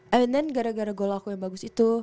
and then gara gara goal aku yang bagus itu